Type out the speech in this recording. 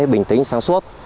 bình tĩnh sáng suốt